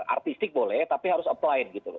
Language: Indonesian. artistik boleh tapi harus appline gitu loh